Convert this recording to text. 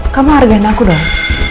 kamu harganya aku dong